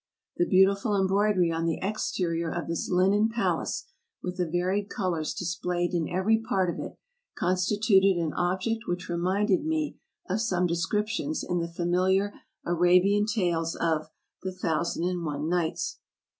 ASIA 289 The beautiful embroidery on the exterior of this linen pal ace, with the varied colors displayed in every part of it, constituted an object which reminded me of some descrip tions in the familiar Arabian tales of the " Thousand and One Nights."